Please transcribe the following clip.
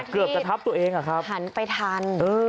เกือบจะทับตัวเองอะครับหันไปทัน